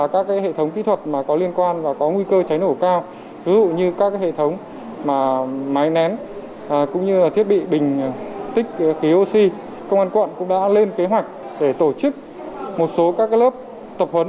chủ tịch khí oxy công an quận cũng đã lên kế hoạch để tổ chức một số các lớp tập huấn